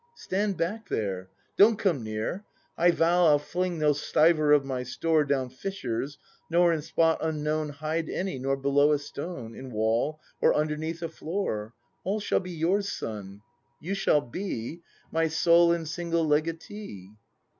Stand back there! Don't come near! — I vow I'll flins; no stiver of mv store Down fissures, nor in spot unknown Hide any, nor below a stone. In wall, or underneath a floor; All shall be yours, son, you shall be My sole and single legatee.